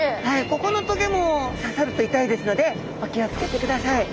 ここの棘もささると痛いですのでお気を付けてください。